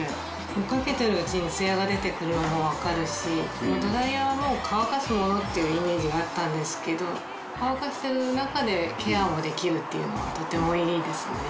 かけてるうちにツヤが出てくるのも分かるしドライヤーは乾かすものっていうイメージがあったんですけど乾かしてる中でケアもできるっていうのはとてもいいですね。